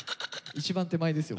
一番手前ですよ